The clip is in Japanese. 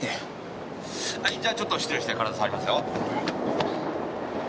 はいじゃあちょっと失礼して体触りますよ。